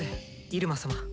入間様。